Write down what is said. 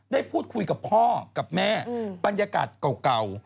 ได้พูดคุยกับพ่อกับแม่บรรยากาศเก่า